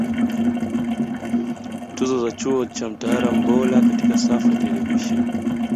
Tuzo za Chuo cha Mtaalam Bora Katika safu ya Televisheni